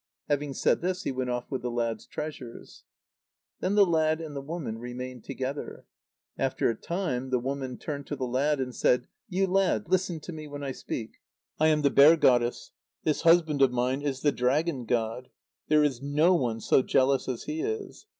Having said this, he went off with the lad's treasures. Then the lad and the woman remained together. After a time the woman turned to the lad, and said: "You lad! listen to me when I speak. I am the bear goddess. This husband of mine is the dragon god. There is no one so jealous as he is.